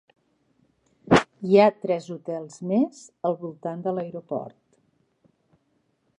Hi ha tres hotels més al voltant de l'aeroport.